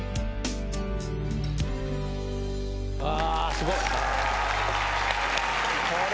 すごい！